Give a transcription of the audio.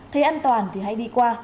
thế an toàn thì hãy đi qua